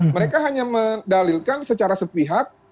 mereka hanya mendalilkan secara sepihak